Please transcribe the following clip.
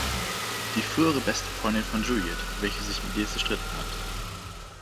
Die frühere beste Freundin von Juliet, welche sich mit ihr zerstritten hat.